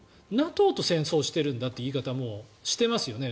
ＮＡＴＯと戦争しているんだという言い方もしてますよね。